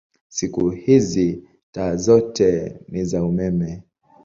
Siku hizi taa zote ni za umeme.